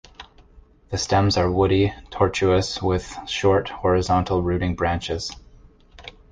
The stems are woody, tortuous, with short, horizontal rooting branches.